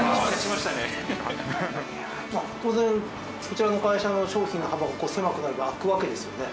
まあ当然こちらの会社の商品の幅が狭くなる分空くわけですよね。